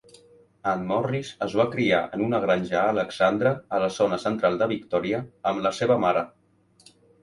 En Morris es va criar en una granja a Alexandra, a la zona central de Victoria, amb la seva mare.